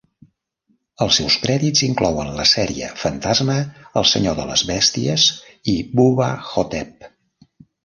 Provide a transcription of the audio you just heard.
Els seus crèdits inclouen la sèrie "Fantasma", "El senyor de les bèsties" i "Bubba Ho-Tep".